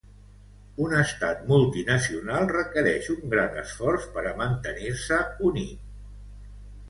Un estat multinacional requereix un gran esforç per a mantenir-se unit.